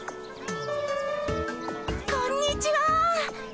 こんにちは。